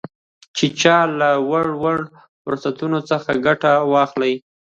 چې چې له وړ وړ فرصتونو څخه ګته واخلي